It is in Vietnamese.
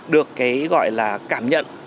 được cái gọi là cảm nhận